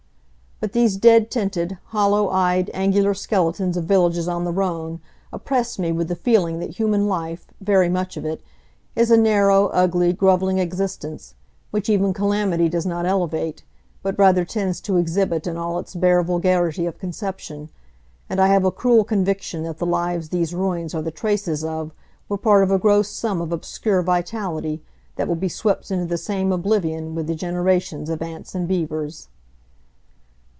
But these dead tinted, hollow eyed, angular skeletons of villages on the Rhone oppress me with the feeling that human life—very much of it—is a narrow, ugly, grovelling existence, which even calamity does not elevate, but rather tends to exhibit in all its bare vulgarity of conception; and I have a cruel conviction that the lives these ruins are the traces of were part of a gross sum of obscure vitality, that will be swept into the same oblivion with the generations of ants and beavers.